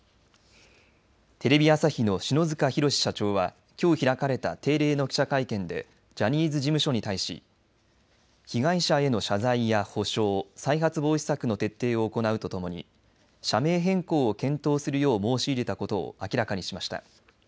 テレビ朝日の篠塚浩社長はきょう開かれた定例の記者会見でジャニーズ事務所に対し被害者への謝罪や補償再発防止策の徹底を行うとともに社名変更を検討するよう申し入れたことを明らかにしました。